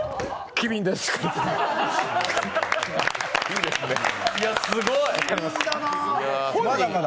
機敏です。